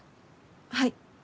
はい。